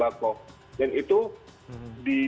dan juga untuk masyarakat yang di sini jadi kami hati hati